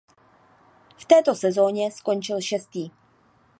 V této sezóně skončil šestý.